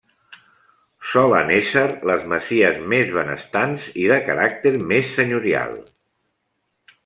Solen ésser les masies més benestants i de caràcter més senyorial.